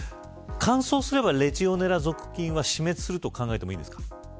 乾燥すればレジオネラ属菌は死滅すると考えてもいいですか。